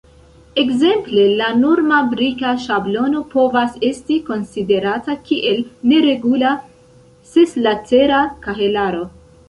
Ekzemple, la norma brika ŝablono povas esti konsiderata kiel neregula seslatera kahelaro.